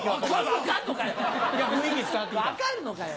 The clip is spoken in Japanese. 分かるのかよ？